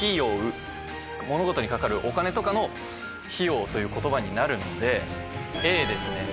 物事にかかるお金とかの費用という言葉になるのでＡですね。